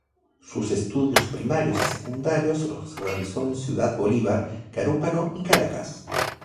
Sus estudios primarios y secundarios los realizó en Ciudad Bolívar, Carúpano y Caracas.